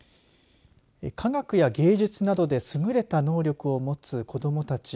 科学や芸術などですぐれた能力を持つ子どもたち。